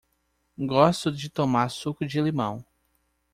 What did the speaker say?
Gosto de tomar suco de limão.